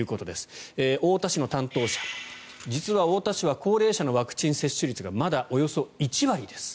太田市の担当者は実は太田市は高齢者のワクチン接種率がまだおよそ１割です。